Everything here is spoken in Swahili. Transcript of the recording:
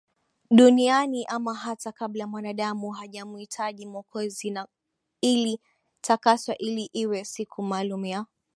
duniani ama hata kabla Mwanadamu hajamwitaji Mwokozi na ilitakaswa ili iwe siku Maalum ya